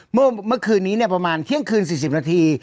เมื่อเมื่อคืนนี้เนี่ยประมาณเที่ยงคืนสี่สิบนาที